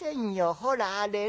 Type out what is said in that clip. ほらあれね